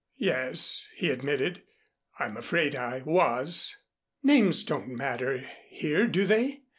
"Yes," he admitted, "I'm afraid I was." "Names don't matter here, do they?